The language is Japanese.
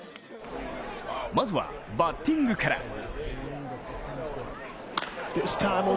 まずはバッティングから。